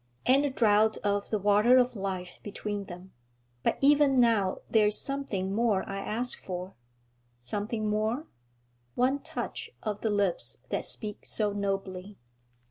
'And a draught of the water of life between them. But even now there is something more I ask for.' 'Something more?' 'One touch of the lips that speak so nobly.'